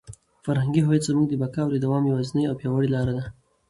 فرهنګي هویت زموږ د بقا او د دوام یوازینۍ او پیاوړې لاره ده.